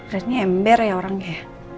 reni ember ya orangnya